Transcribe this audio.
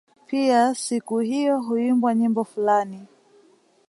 Pia siku hiyo huimbwa nyimbo fulani